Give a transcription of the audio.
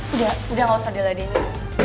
udah udah gak usah dia ladainya